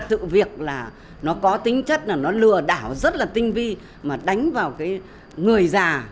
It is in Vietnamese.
sự việc là nó có tính chất là nó lừa đảo rất là tinh vi mà đánh vào cái người già